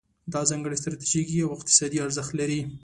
دا ځانګړی ستراتیژیکي او اقتصادي ارزښت لري.